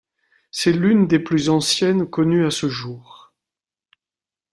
C'est l'une des plus anciennes connues à ce jour.